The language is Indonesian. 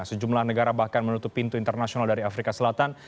sejumlah negara bahkan menutup pintu internasional dari afrika selatan